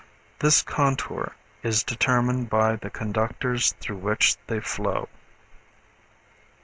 This contour is determined by the conductors through which they flow.